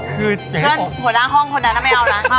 คือเพื่อนหัวหน้าห้องคนนั้นไม่เอานะ